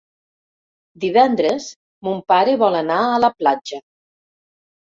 Divendres mon pare vol anar a la platja.